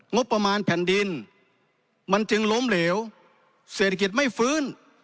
งบประมาณแผ่นดินมันจึงล้มเหลวเศรษฐกิจไม่ฟื้น